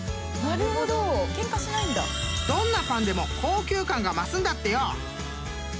どんなパンでも高級感が増すんだってよ］